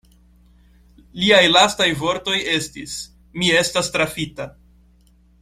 Liaj lastaj vortoj estis: «Mi estas trafita.